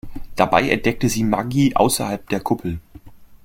Dabei entdeckt sie Maggie außerhalb der Kuppel.